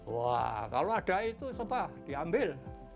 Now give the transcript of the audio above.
wah kalau ada itu coba diambil